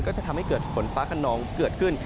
ก็จะทำให้เกิดฝนฟ้าขนองเกิดขึ้น